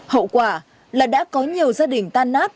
hậu quả là đã có nhiều gia đình tan nát